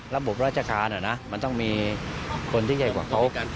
ระบบราชการมันต้องมีคนที่ใหญ่กว่าเขา